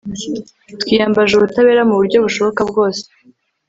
twiyambaje ubutabera mu buryo bushoboka bwose